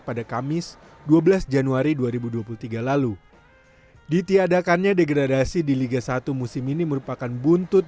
pada kamis dua belas januari dua ribu dua puluh tiga lalu ditiadakannya degradasi di liga satu musim ini merupakan buntut